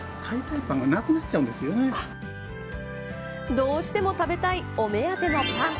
どうしても食べたいお目当てのパン。